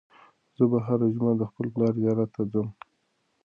زه به هره جمعه د خپل پلار زیارت ته ځم.